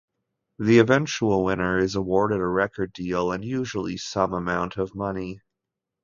The eventual winner is awarded a record deal and usually some amount of money.